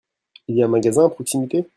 Il y a un magasin à proximité ?